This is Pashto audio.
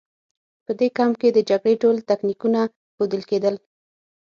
په دې کمپ کې د جګړې ټول تکتیکونه ښودل کېدل